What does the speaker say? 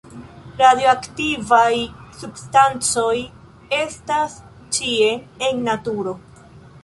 Radioaktivaj substancoj estas ĉie en naturo.